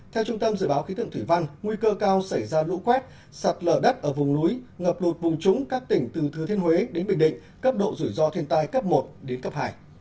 theo trung tâm dự báo khí tượng thủy văn nguy cơ cao xảy ra lũ quét sạt lở đất ở vùng núi ngập lụt vùng trúng các tỉnh từ thừa thiên huế đến bình định cấp độ rủi ro thiên tai cấp một đến cấp hai